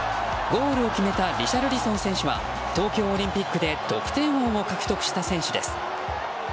ゴールを決めたリシャルリソン選手は東京オリンピックで得点王を獲得した選手です。